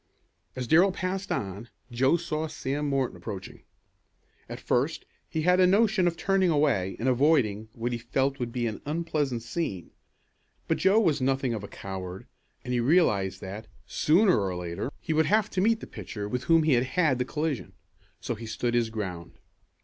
As Darrell passed on, Joe saw Sam Morton approaching. At first he had a notion of turning away and avoiding what he felt would be an unpleasant scene. But Joe was nothing of a coward and he realized that, sooner or later, he would have to meet the pitcher with whom he had had the collision. So he stood his ground.